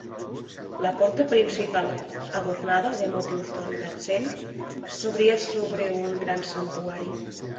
La porta principal, adornada de motius d'or i d'argent, s'obria sobre un gran santuari.